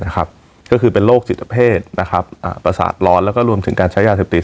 ก็คือเป็นโรคจิตเพศประสาทร้อนแล้วก็รวมถึงการใช้ยาเสพติด